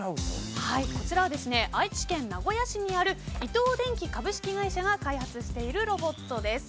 こちらは愛知県名古屋市にある伊藤電機株式会社が開発しているロボットです。